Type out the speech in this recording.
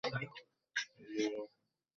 বলিয়া রামমোহন প্রস্থানের উপক্রম করিল।